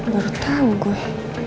baru tahu gue